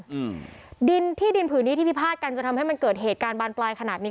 อืมดินที่ดินผืนนี้ที่พิพาทกันจนทำให้มันเกิดเหตุการณ์บานปลายขนาดนี้